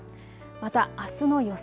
また、あすの予想